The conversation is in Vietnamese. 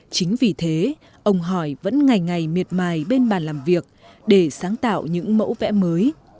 chính vì thế ông hỏi vẫn ngày ngày miệt mài bên bàn làm việc để sáng tạo những mẫu vẽ mới